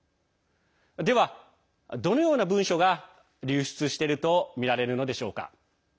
では、どのような文書が流出しているとみられるのでしょうか。